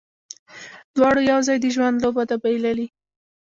دواړو یو ځای، د ژوند لوبه ده بایللې